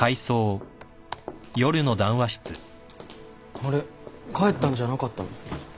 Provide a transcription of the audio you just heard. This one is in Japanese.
・あれ帰ったんじゃなかったの？